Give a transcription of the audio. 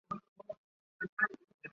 埃尔河畔圣科隆布。